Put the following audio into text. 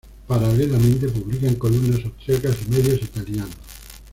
Paralelamente publica en columnas austriacas y medios italianos.